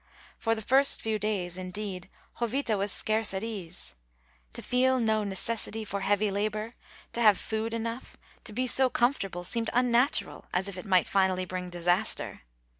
For the first few days, indeed, Jovita was scarce at ease; to feel no necessity for heavy labor, to have food enough, to be so comfortable, seemed unnatural, as if it might finally bring disaster.